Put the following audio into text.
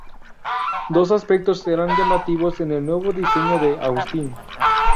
Dos aspectos eran llamativos en el nuevo diseño de Austin.